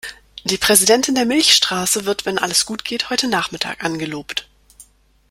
Die Präsidentin der Milchstraße wird, wenn alles gut geht, heute Nachmittag angelobt.